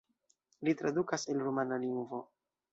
Li tradukas el rumana lingvo.